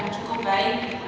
yang cukup baik